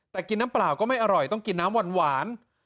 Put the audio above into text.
แต่กินน้ำเปล่าก็ไม่อร่อยต้องกินน้ำหวาน